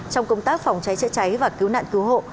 trong công tác phòng cháy chữa cháy và cứu nạn cứu hộ